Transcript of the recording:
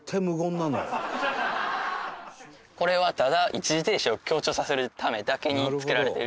これはただ一時停止を強調させるためだけに作られている信号なんですよ。